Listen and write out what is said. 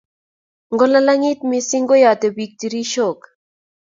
Ngolalangit missing koyate bik tirishook